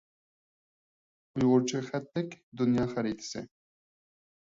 ئۇيغۇرچە خەتلىك دۇنيا خەرىتىسى.